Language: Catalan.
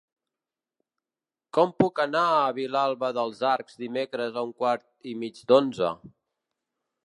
Com puc anar a Vilalba dels Arcs dimecres a un quart i mig d'onze?